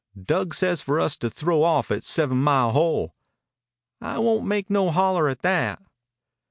"Dug says for us to throw off at Seven Mile Hole." "I won't make no holler at that."